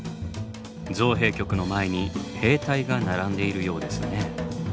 造幣局の前に兵隊が並んでいるようですね。